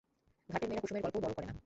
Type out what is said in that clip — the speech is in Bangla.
ঘাটের মেয়েরা কুসুমের গল্পও বড়ো করে না।